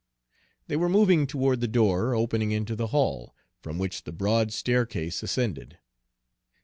They were moving toward the door opening into the hall, from which the broad staircase ascended.